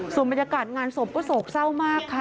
ส่วนบรรยากาศงานศพก็โศกเศร้ามากค่ะ